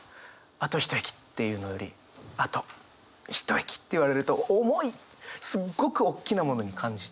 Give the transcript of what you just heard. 「あと一駅」って言うのより「あと、一駅」って言われると重いすっごくおっきなものに感じて。